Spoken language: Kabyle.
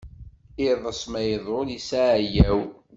Iḍes ma iḍul isseɛyaw.